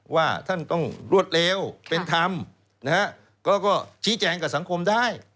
ว่าท่านต้องรวดเร็วเป็นธรรมนะฮะก็ชี้แจงกับสังคมได้